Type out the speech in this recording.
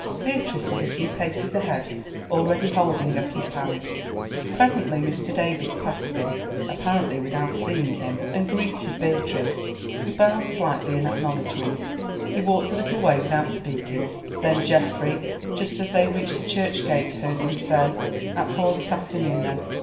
Beatrice was a few paces ahead holding Effie's hand. Presently Mr. Davies passed him, apparently without seeing him, and greeted Beatrice, who bowed slightly in acknowledgment. He walked a little way without speaking, then Geoffrey, just as they reached the church gate, heard him say, "At four this afternoon, then."